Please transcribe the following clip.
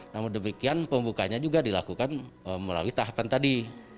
namun demikian pembukanya juga dilakukan melalui tahapan tadi